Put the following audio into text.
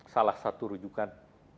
salah satu rujukan